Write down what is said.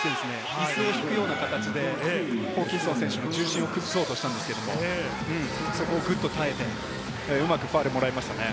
ミスを引くような形でホーキンソン選手の崩そうとしたんですけれども、そこをぐっと耐えて、うまくファウルをもらいましたね。